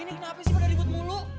ini kenapa sih pada ribut mulu